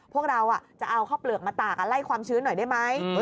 พวกเราจะเอาข้าวเปลือกมาตากไล่ความชื้นหน่อยได้ไหม